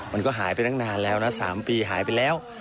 มันก็หายไปตั้งนานแล้วนะ๓ปีหายไปแล้ว